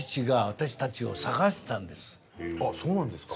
あそうなんですか。